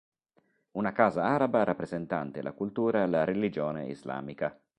Una casa araba rappresentante la cultura e la religione islamica.